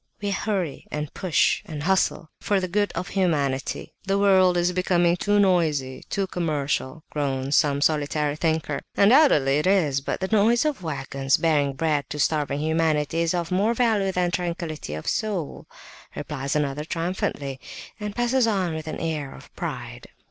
We hurry and push and hustle, for the good of humanity! 'The world is becoming too noisy, too commercial!' groans some solitary thinker. 'Undoubtedly it is, but the noise of waggons bearing bread to starving humanity is of more value than tranquillity of soul,' replies another triumphantly, and passes on with an air of pride.